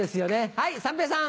はい三平さん。